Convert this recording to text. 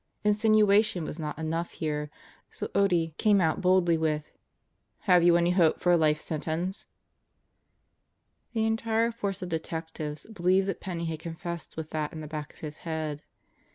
Insinuation was not enough here, so Otte came out boldly with: "Have you any hope for a life sentence?" The entire force of Detectives believed that Penney had confessed with that in the back of his head.